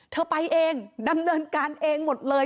เธอไปเองดำเนินการเองหมดเลย